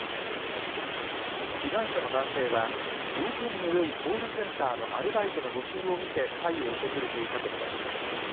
被害者の男性は条件の良いコールセンターのアルバイトの募集を見てタイを訪れていたとみられます。